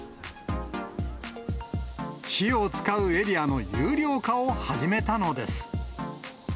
火を使うエリアの有料化を始めたのです。